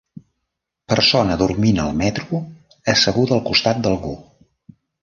Persona dormint al metro, asseguda al costat d'algú.